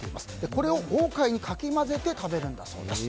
これを豪快にかき混ぜて食べるんだそうです。